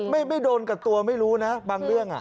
ไม่โดนกับตัวไม่รู้นะบางเรื่อง